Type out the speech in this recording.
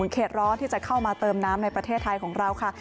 เขตร้อนที่จะเข้ามาเติมน้ำในประเทศไทยของเราค่ะ